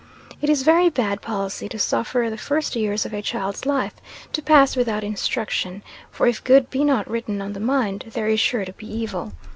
It is very bad policy to suffer the first years of a child's life to pass without instruction; for if good be not written on the mind, there is sure to be evil.